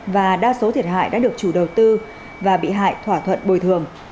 và đa số thiệt hại đã được chủ đầu tư và bị hại thỏa thuận bồi thường